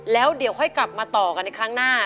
แล้วเดี๋ยวค่อยกลับมาต่อกันในครั้งหน้า